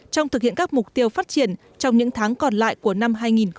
trong thực hiện các mục tiêu phát triển trong những tháng còn lại của năm hai nghìn hai mươi